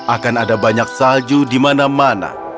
akan ada banyak salju di mana mana